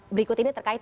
berikut ini terkait